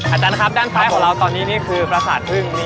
อาจารย์นะครับด้านซ้ายของเราตอนนี้นี่คือประสาทพึ่ง